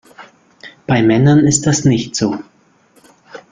Bei Männern ist das nicht so.